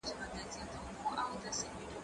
زه هره ورځ اوبه پاکوم؟